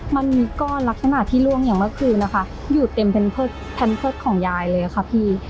มันมีก้อนลักษณะที่ล่วงอย่างเมื่อคืนนะคะอยู่เต็มแพนเพิร์ตของยายเลยค่ะพี่